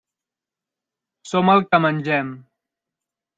Som el que mengem.